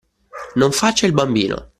Non faccia il bambino!